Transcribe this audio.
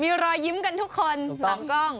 มีรอยยิ้มกันทุกคนหลังกล้อง